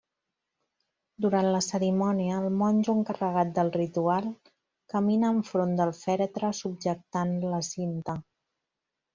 Durant la cerimònia, el monjo encarregat del ritual, camina enfront del fèretre subjectant la cinta.